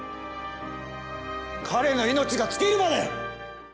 彼の命が尽きるまで！